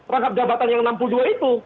rangkap jabatan yang enam puluh dua itu